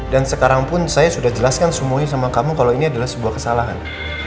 dan sekarang pun saya sudah jelaskan semuanya sama kamu kalau ini adalah sebuah kesalahan